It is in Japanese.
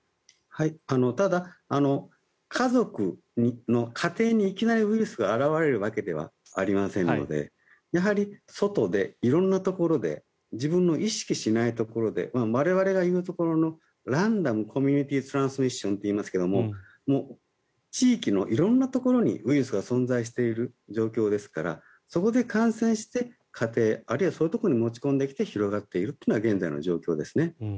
ただ、家族の家庭にいきなりウイルスが現れるわけではありませんのでやはり外で色んなところで自分の意識しないところで我々が言うところのランダムコミュニティートランスミッションといいますが地域の色んなところにウイルスが存在している状況ですからそこで感染して家庭、あるいはそういうところに持ち込んできて広がっているというのが現在の状況ですね。